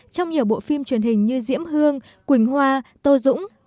trong nhiều bộ phim truyền hình như diễm hương quỳnh hoa tô dũng